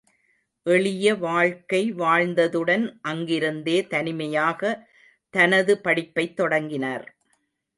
எளிய வாழ்க்கை வாழ்ந்ததுடன், அங்கிருந்தே தனிமையாக தனது படிப்பைத் தொடங்கினார்!